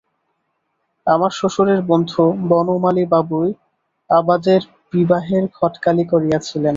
আমার শ্বশুরের বন্ধু বনমালীবাবুই আবাদের বিবাহের ঘটকালি করিয়াছিলেন।